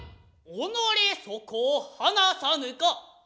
己そこを放さぬか。